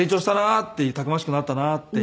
たくましくなったなっていう。